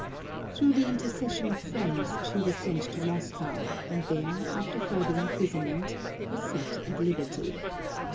Through the intercession of friends she was sent to Moscow, and there, after further imprisonment, was set at liberty.